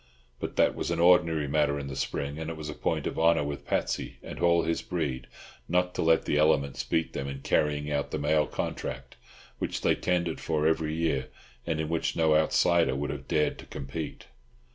But that was an ordinary matter in the spring, and it was a point of honour with Patsy and all his breed not to let the elements beat them in carrying out the mail contract, which they tendered for every year, and in which no outsider would have dared to compete.